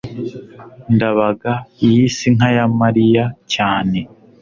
ndabaga yise inka ya mariya cyane